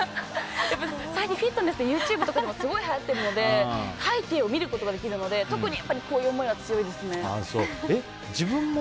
最近フィットネスでＹｏｕＴｕｂｅとかでもすごいはやってるので背景を見ることができるので特にこういう思いは強いですね。